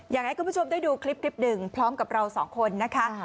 อยากให้คุณผู้ชมได้ดูคลิปหนึ่งพร้อมกับเราสองคนนะคะ